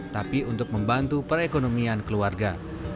tapi untuk membantu perekonomian keluarga